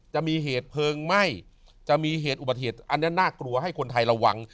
จะมีเหตุเพลิงไหม้จะมีเหตุอุบัติเหตุอันนี้น่ากลัวให้คนไทยระวัง